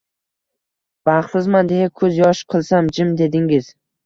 Baxsizman deya kuz yosh qilsam “jim” dedingiz